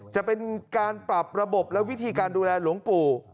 จะเป็นการปรับระบบและวิธีการดูแลหลวงปู่